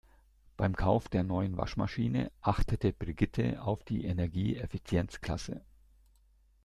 Beim Kauf der neuen Waschmaschine achtete Brigitte auf die Energieeffizienzklasse.